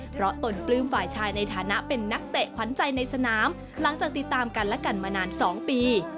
เพราะตนปลื้มฝ่ายชายในฐานะเป็นนักเตะขวัญใจในสนามหลังจากติดตามกันและกันมานาน๒ปี